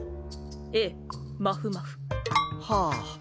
Ａまふまふ。はあ。